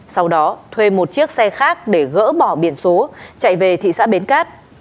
sau đó thuê một chiếc xe khác để gỡ bỏ biển số chạy về thị xã bến cát